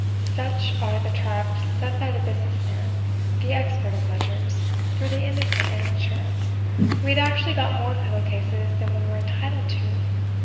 Such are the traps set by the business man, the expert of ledgers, for the innocent amateur. We had actually got more pillow cases than we were entitled to.